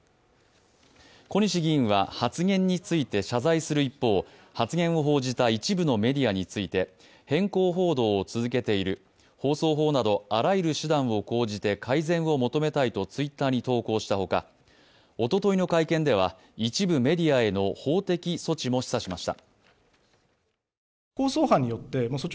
小西議員は発言について謝罪する一方、発言を報じた一部のメディアについて偏向報道を続けている放送法など放送法などあらゆる手段を講じて改善を求めたいとＴｗｉｔｔｅｒに投稿した他、おとといの会見では一部メディアへの法的措置も示唆しました。